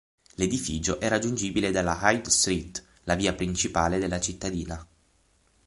L'edificio è raggiungibile dalla High Street, la via principale della cittadina.